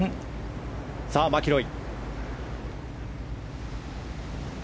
さあ、マキロイ。